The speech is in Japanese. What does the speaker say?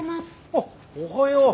あっおはよう。